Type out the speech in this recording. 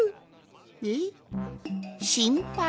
えっしんぱい？